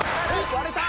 割れた！